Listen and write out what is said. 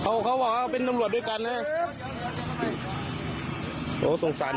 เขาเขาว่าเขาเป็นน้ำลวดด้วยกันนะฮะ